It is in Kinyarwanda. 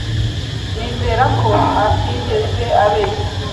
Nizera ko atigeze abeshya.